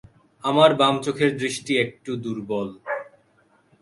আমার বাম চোখের দৃষ্টি একটু দুর্বল।